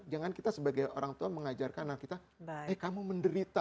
jangan kita sebagai orang tua mengajarkan anak kita eh kamu menderita